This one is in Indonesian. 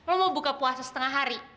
lo mau buka puasa setengah hari